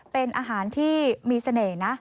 เป็นอาหารที่มีเสน่ห์นะ